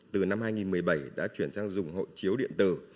từ năm hai nghìn một mươi bảy đã chuyển sang dùng hộ chiếu điện tử